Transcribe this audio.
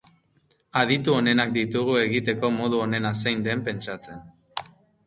Aditu onenak ditugu egiteko modu onena zein den pentsatzen.